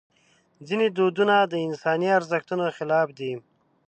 ځینې دودونه د انساني ارزښتونو خلاف دي.